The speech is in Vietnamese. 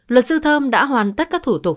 luật sư thơm đã hoàn tất các thủ tục